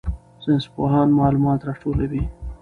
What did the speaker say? ساینسپوهان معلومات راټولوي.